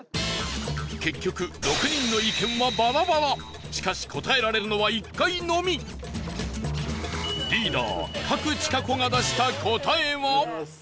結局、６人の意見はバラバラしかし答えられるのは１回のみリーダー、賀来千香子が出した答えは？